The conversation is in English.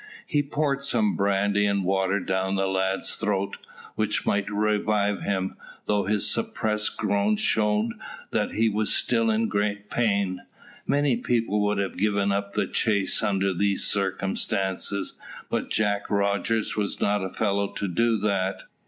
He poured some brandy and water down the lad's throat, which much revived him, though his suppressed groans showed that he was still in great pain. Many people would have given up the chase under these circumstances, but Jack Rogers was not a fellow to do that.